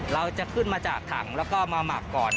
เราจะขึ้นมาจากถังแล้วก็มาหมักก่อน